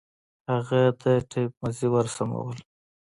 هغه د ټېپ مزي ورسمول.